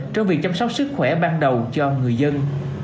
trong việc chăm sóc sức khỏe ban đầu cho người dân